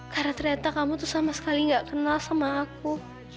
karena ternyata kamu tuh sama sekali gak kenal sama aku